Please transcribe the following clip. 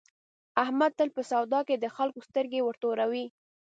احمد تل په سودا کې د خلکو سترګې ورتوروي.